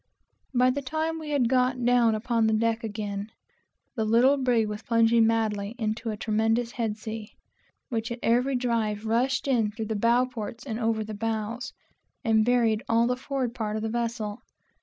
By the time we had got down upon deck again, the little brig was plunging madly into a tremendous head sea, which at every drive rushed in through the bow ports and over the bows, and buried all the forward part of the vessel.